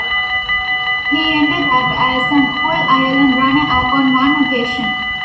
He ended up as an All-Ireland runner-up on one occasion.